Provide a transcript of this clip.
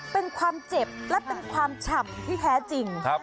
เป็นความเจ็บและเป็นความฉ่ำที่แท้จริง